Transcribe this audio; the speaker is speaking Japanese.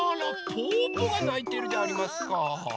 ぽぅぽがないてるでありますか。